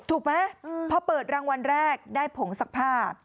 ถูกไหมพอเปิดรางวัลแรกได้ผงซักผ้า